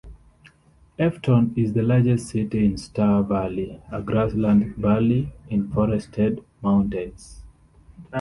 Afton is the largest city in Star Valley, a grassland valley in forested mountains.